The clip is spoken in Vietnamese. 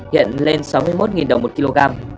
hiện lên sáu mươi một đồng một kg